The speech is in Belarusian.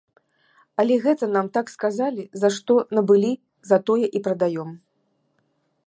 Але гэта нам так сказалі, за што набылі за тое і прадаём.